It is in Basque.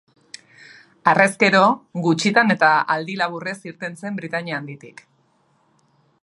Harrezkero, gutxitan eta aldi laburrez irten zen Britainia Handitik.